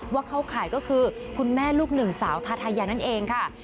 เข้าข่ายก็คือคุณแม่ลูกหนึ่งสาวทาทายานั่นเองค่ะ